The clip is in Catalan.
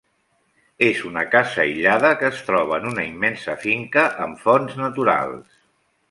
És una casa aïllada, que es troba en una immensa finca amb fonts naturals.